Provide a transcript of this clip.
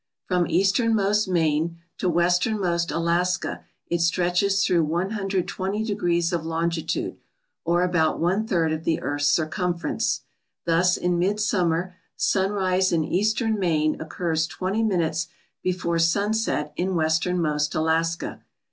From easternmost Maine to westernmost Alaska it stretches through 120 degrees of longitude, or about one third of the earth's cir cumference. Thus, in midsummer, sunrise in eastern Maine occurs 20 minutes before sunset in westernmost Alaska.